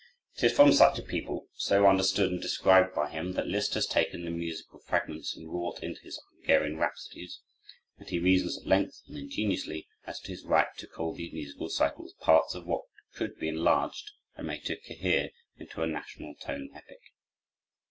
It is from such a people, so understood and described by him, that Liszt has taken the musical fragments inwrought into his Hungarian Rhapsodies; and he reasons at length and ingeniously as to his right to call these musical cycles parts of what could be enlarged and made to cohere into a national tone epic.